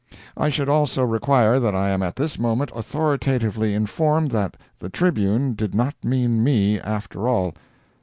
I should also require that I am at this moment authoritatively informed that "The Tribune" did not mean me, after all.